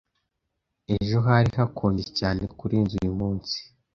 Ejo hari hakonje cyane kurenza uyumunsi. (erikspen)